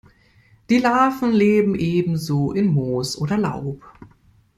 Die Larven leben ebenso in Moos oder Laub.